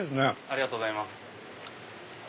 ありがとうございます。